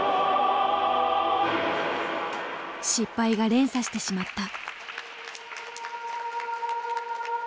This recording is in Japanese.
失敗が連鎖してしまった。